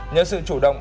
nhờ sự chủ động